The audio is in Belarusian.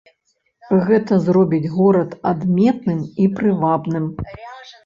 Гэта зробіць горад адметным і прывабным.